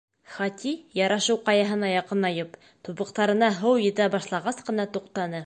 Хати, Ярашыу Ҡаяһына яҡынайып, тубыҡтарына һыу етә башлағас ҡына туҡтаны.